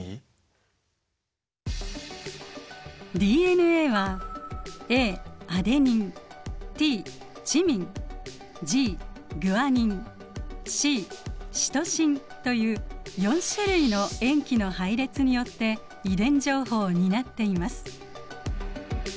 ＤＮＡはＡアデニンＴチミンＧグアニンＣシトシンという４種類の塩基の配列によって遺伝情報を担っています。